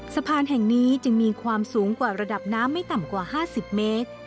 สะพานแห่งนี้จึงมีความสูงกว่าระดับน้ำไม่ต่ำกว่า๕๐เมตร